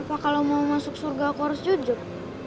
wah kalau mau masuk surga aku harus jujur